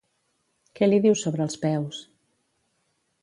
Què li diu sobre els peus?